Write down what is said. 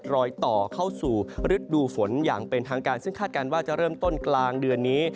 รอยต่อเข้าสู่ฤดูฝนอย่างเป็นทางการซึ่งคาดการณ์ว่าจะเริ่มต้นกลางเดือนนี้